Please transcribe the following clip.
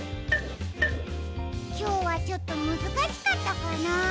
きょうはちょっとむずかしかったかなあ？